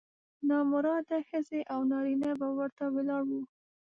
نامراده ښځې او نارینه به ورته ولاړ وو.